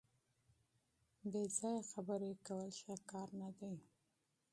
بې ځایه خبرې کول ښه کار نه دی.